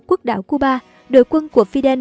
quốc đảo cuba đội quân của fidel